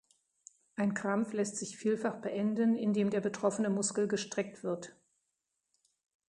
Ein Krampf lässt sich vielfach beenden, indem der betroffene Muskel gestreckt wird.